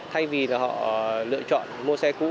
thay vì họ lựa chọn mua xe cũ